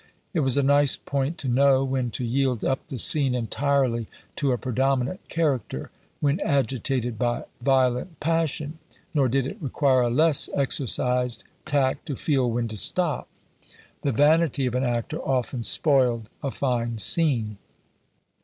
It was a nice point to know when to yield up the scene entirely to a predominant character, when agitated by violent passion; nor did it require a less exercised tact to feel when to stop; the vanity of an actor often spoiled a fine scene.